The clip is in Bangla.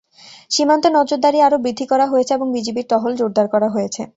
সীমান্তে নজরদারি আরও বৃদ্ধি করা হয়েছে এবং বিজিবির টহল জোরদার করা হয়েছে।